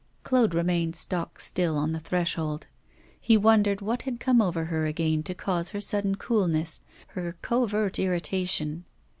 Claude remained stock still on the threshold. He wondered what had come over her again to cause her sudden coolness, her covert irritation.